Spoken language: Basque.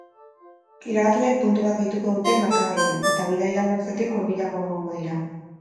Irabazleek puntu bat gehituko dute markagailuan, eta bidaia lortzetik hurbilago egongo dira.